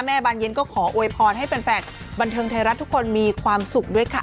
บานเย็นก็ขอโวยพรให้แฟนบันเทิงไทยรัฐทุกคนมีความสุขด้วยค่ะ